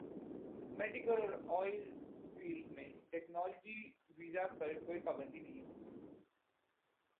medical اور oil field میں technical visa پر کوئی پابندی نہیں ہوگی